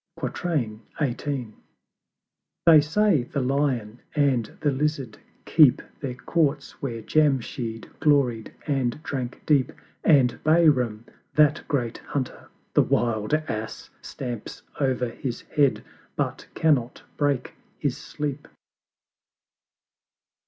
XVIII. They say the Lion and the Lizard keep The courts where Jamshyd gloried and drank deep: And Bahram, that great Hunter the Wild Ass Stamps o'er his Head, but cannot break his Sleep.